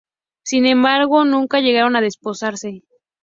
Sin embargo, nunca llegaron a desposarse.